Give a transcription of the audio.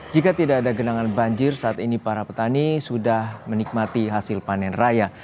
jika tidak ada genangan banjir saat ini para petani sudah menikmati hasil panen raya